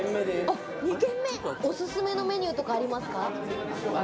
おすすめのメニューとかありますか？